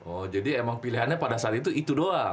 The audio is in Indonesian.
oh jadi emang pilihannya pada saat itu itu doang